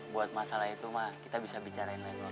buat masalah itu mah kita bisa bicarain lain waktu itu